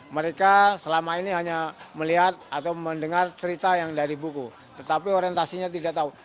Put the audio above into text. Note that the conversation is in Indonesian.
mereka selama ini hanya melihat atau mendengar cerita yang dari buku tetapi orientasinya tidak tahu